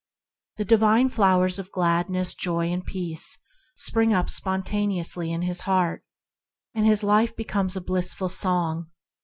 The divine flowers of Gladness, Joy, and Peace spring up spontaneously in his heart, and his life becomes a blissful song.